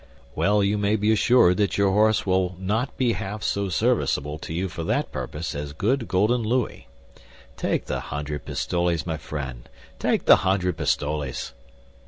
"Well, you may be assured that your horse will not be half so serviceable to you for that purpose as good golden louis. Take the hundred pistoles, my friend; take the hundred pistoles!"